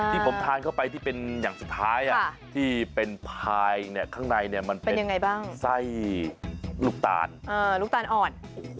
ที่ผมทานเข้าไปที่เป็นอย่างสุดท้ายที่เป็นพายข้างในมันเป็นไส้ลูกตาลลูกตาลอ่อน